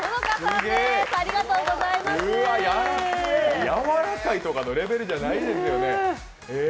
やわらかいとかのレベルじゃないですよね。